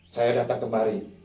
saya datang kemari